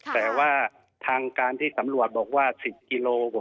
แต่ว่าทางการที่สำรวจบอกว่า๑๐กิโล